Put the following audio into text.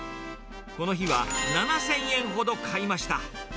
この日は７０００円ほどかいました。